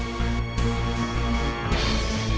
สำคัญของคุณครับว่า